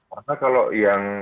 karena kalau yang